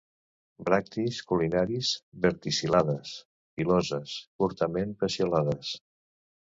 Bràctees caulinars verticil·lades, piloses, curtament peciolades.